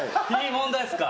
問題ですか？